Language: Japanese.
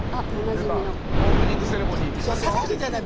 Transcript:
オープニングセレモニー。